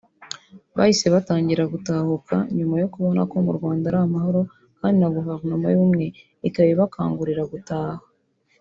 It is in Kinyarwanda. bahise batangira gutahuka nyuma yo kubona ko mu Rwanda ari amahoro kandi na Guverinoma y’Ubumwe ikabibakangurira gutaha